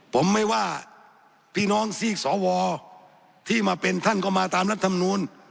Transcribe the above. ผมไม่ว่าพี่น้องซีกสวที่มาเป็นท่านก็มาตามรัฐมนูล